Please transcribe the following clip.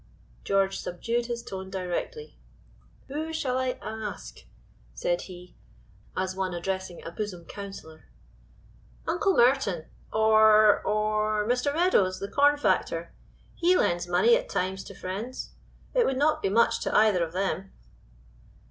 George subdued his tone directly. "Who shall I ask?" said he, as one addressing a bosom counselor. "Uncle Merton, or or Mr. Meadows the corn factor; he lends money at times to friends. It would not be much to either of them."